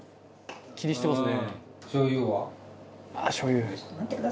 「気にしてますね」